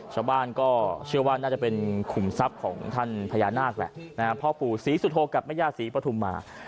ชาวบ้านก็เชื่อว่าน่าจะเป็นขุมทรัพย์ของท่านพญานาคแหละพ่อปู่ศรีสุโธกับแม่ย่าศรีปฐุมมา